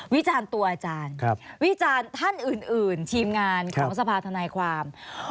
วิจารณ์ตัวอาจารย์วิจารณ์ท่านอื่นทีมงานของสภาธนายความ